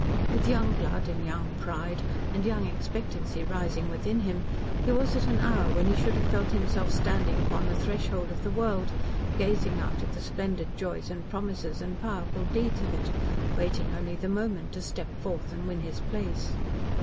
With young blood, and young pride, and young expectancy rising within him, he was at an hour when he should have felt himself standing upon the threshold of the world, gazing out at the splendid joys and promises and powerful deeds of it waiting only the fit moment to step forth and win his place.